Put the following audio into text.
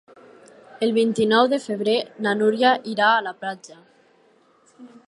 El vint-i-nou de febrer na Núria irà a la platja.